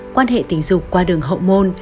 quan hệ tình dục qua đường hậu môn